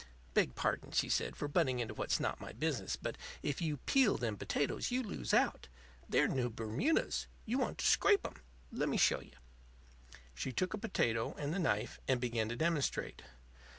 "Beg pardon," she said, "for butting into what's not my business, but if you peel them potatoes you lose out. They're new Bermudas. You want to scrape 'em. Lemme show you." She took a potato and the knife, and began to demonstrate.